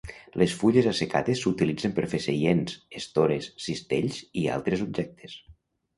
Les fulles assecades s'utilitzen per fer seients, estores, cistells i altres objectes.